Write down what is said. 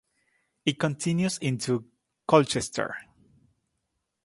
It continues into Colchester.